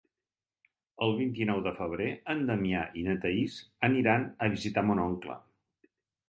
El vint-i-nou de febrer en Damià i na Thaís aniran a visitar mon oncle.